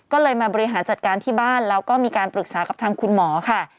ก็เลยมาบริหารจัดการที่บ้านแล้วก็มีการปรึกษากับทางคุณหมอค่ะ